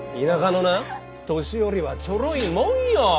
田舎のな年寄りはちょろいもんよ。